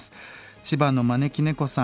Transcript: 千葉の招き猫さん